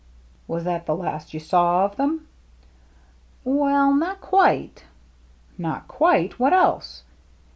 " Was that the last you saw of them ?" "Well — not quite." " Not quite ! What else